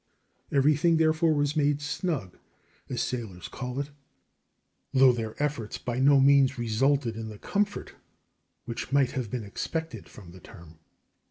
Everything, therefore, was made "snug," as sailors call it, though their efforts by no means resulted in the comfort which might have been expected from the term.